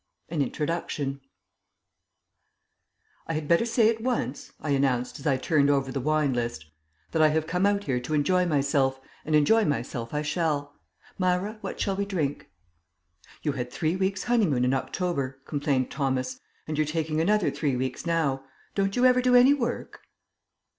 AN INTRODUCTION "I had better say at once," I announced as I turned over the wine list, "that I have come out here to enjoy myself, and enjoy myself I shall. Myra, what shall we drink?" "You had three weeks' honeymoon in October," complained Thomas, "and you're taking another three weeks now. Don't you ever do any work?"